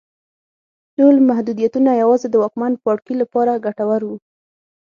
ټول محدودیتونه یوازې د واکمن پاړکي لپاره ګټور وو.